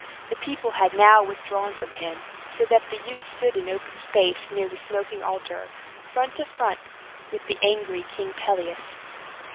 The people had now withdrawn from around him, so that the youth stood in an open space, near the smoking altar, front to front with the angry King Pelias.